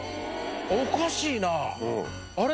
おかしいなあれ？